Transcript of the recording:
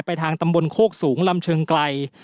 ทางตำบลโคกสูงลำเชิงไกล